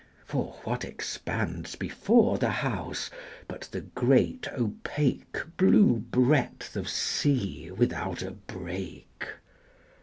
For, what expands Before the house, but the great opaque Blue breadth of sea without a break?